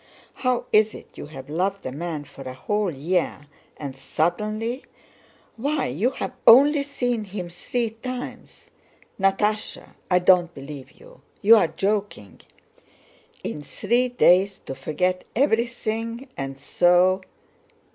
How is it you have loved a man for a whole year and suddenly... Why, you have only seen him three times! Natásha, I don't believe you, you're joking! In three days to forget everything and so..."